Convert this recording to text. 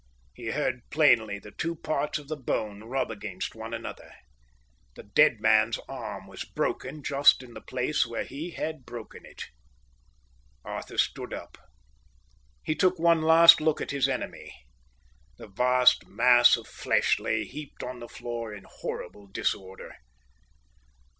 He heard plainly the two parts of the bone rub against one another. The dead man's arm was broken just in the place where he had broken it. Arthur stood up. He took one last look at his enemy. That vast mass of flesh lay heaped up on the floor in horrible disorder.